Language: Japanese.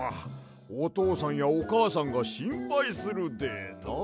おとうさんやおかあさんがしんぱいするでな？